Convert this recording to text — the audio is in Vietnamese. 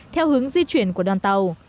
theo hướng di chuyển của đoàn tàu